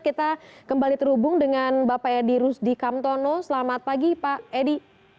kita kembali terhubung dengan bapak edi rusdi kamtono selamat pagi pak edi